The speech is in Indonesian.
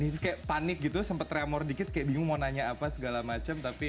z kayak panik gitu sempat tremor dikit kayak bingung mau nanya apa segala macem tapi